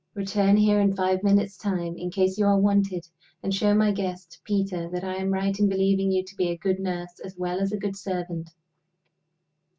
Return here in five minutes' time, in case you are wanted; and show my guest, Peter, that I am right in believing you to be a good nurse as well as a good servant."